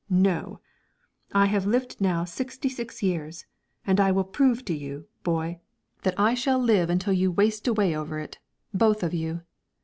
No; I have lived now sixty six years, and I will prove to you, boy, that I shall live until you waste away over it, both of you!